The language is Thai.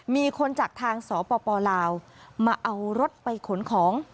มีคนจากทางสปลาวมาเอารถไปขนของ